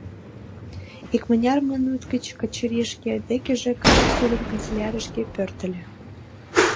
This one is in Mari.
Икмыняр минут гыч Качырий шке декыже, калык судын канцелярийышке пӧртыльӧ.